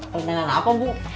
penelan apa ibu